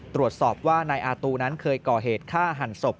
ตรวจสอบว่านายอาตูนั้นเคยก่อเหตุฆ่าหันศพ